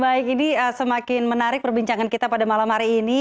baik ini semakin menarik perbincangan kita pada malam hari ini